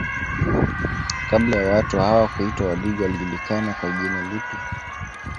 Kabla ya watu hawa kuitwa wadigo walijulikana kwa jina lipi